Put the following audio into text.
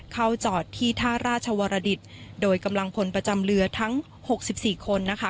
เข้าจอดที่ท่าราชวรดิตโดยกำลังพลประจำเรือทั้ง๖๔คนนะคะ